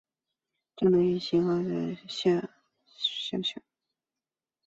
郑橞祖籍清华处永福县槊山社忭上乡。